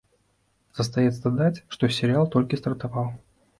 Застаецца дадаць, што серыял толькі стартаваў.